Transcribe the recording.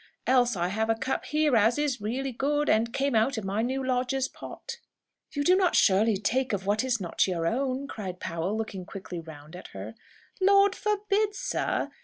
Else I have a cup here as is really good, and came out of my new lodger's pot." "You do not surely take of what is not your own!" cried Powell, looking quickly round at her. "Lord forbid, sir!